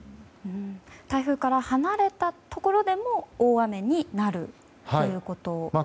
台風から離れたところでも大雨になるということですか。